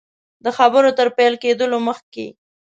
د خبرو تر پیل کېدلو مخکي.